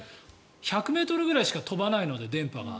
大体、１００ｍぐらいしか飛ばないので、電波が。